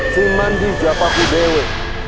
si mandi jataku dewi